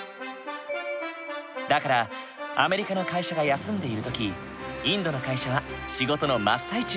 だからアメリカの会社が休んでいる時インドの会社は仕事の真っ最中。